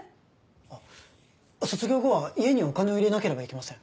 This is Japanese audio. あっ卒業後は家にお金を入れなければいけません。